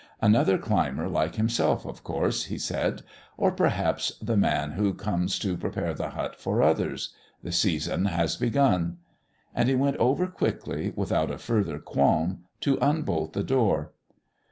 "Another climber like myself, of course," he said, "or perhaps the man who comes to prepare the hut for others. The season has begun." And he went over quickly, without a further qualm, to unbolt the door.